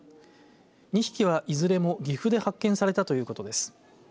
２匹は、いずれも岐阜で発見されたということです。